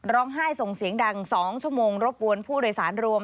ร้องไห้ส่งเสียงดัง๒ชั่วโมงรบกวนผู้โดยสารรวม